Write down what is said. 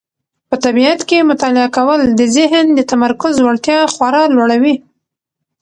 په طبیعت کې مطالعه کول د ذهن د تمرکز وړتیا خورا لوړوي.